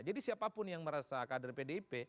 jadi siapapun yang merasa kader pdip